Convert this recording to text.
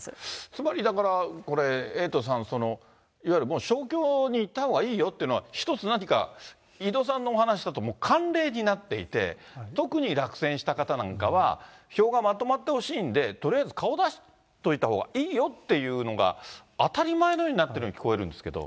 つまりだから、これ、エイトさん、いわゆるもう勝共にいいよっていうのは、一つ何か、井戸さんのお話だと慣例になっていて、特に落選した方なんかは、票がまとまって欲しいんで、とりあえず顔出しておいたほうがいいよっていうのが当たり前のようになってるように聞こえるんですけど。